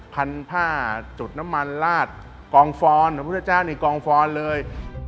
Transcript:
พันผ้าจุดน้ำมันลาดกองฟอนพระพุทธเจ้านี่กองฟอนเลย